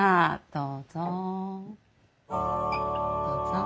どうぞ。